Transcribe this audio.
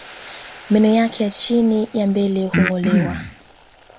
Meno yake ya chini ya mbele hungolewa